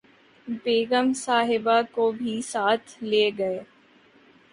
بیگم صاحبہ کو بھی ساتھ لے گئے